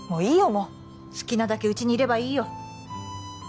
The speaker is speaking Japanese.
もう好きなだけうちにいればいいよ